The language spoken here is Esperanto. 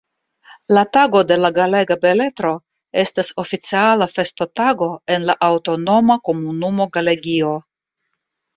La Tago de la Galega Beletro estas oficiala festotago en la aŭtonoma komunumo Galegio.